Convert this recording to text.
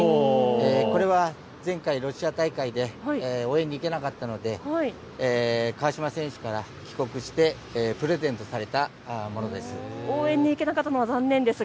これは前回ロシア大会で応援に行けなかったので川島選手から帰国してプレゼントされたものです。